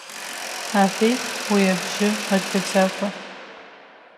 Аҳәеит уи абжьы мыргаӡакәа.